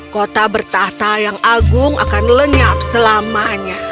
kota bertahta yang agung akan lenyap selamanya